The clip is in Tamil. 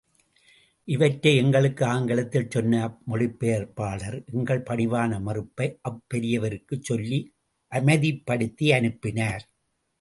இவற்றை எங்களுக்கு ஆங்கிலத்தில் சொன்ன மொழிபெயர்ப்பாளர் எங்கள் பணிவான மறுப்பை அப்பெரியவருக்குச் சொல்லி அமைதிப்படுத்தி அனுப்பினார்.